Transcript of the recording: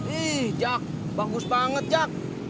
ih jack bagus banget jack